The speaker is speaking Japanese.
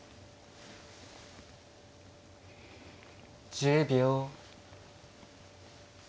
１０秒。